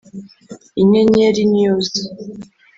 inyenyerinews